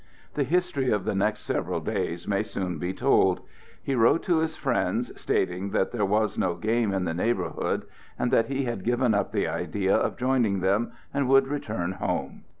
The history of the next several days may soon be told. He wrote to his friends, stating that there was no game in the neighborhood, and that he had given up the idea of joining them and would return home.